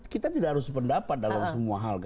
kita tidak harus sependapat dalam semua hal